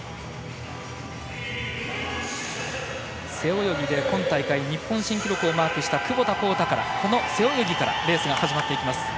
背泳ぎで今大会日本新記録をマークした窪田幸太から、背泳ぎからレースが始まっていきます。